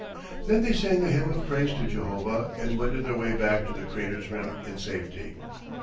Then they sang a hymn of praise to Jehovah, and wended their way back to the crater's rim in safety.